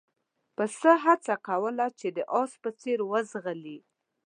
پسه هڅه کوله چې د اس په څېر وځغلي.